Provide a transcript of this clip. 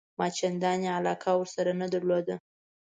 ما چنداني علاقه ورسره نه درلوده.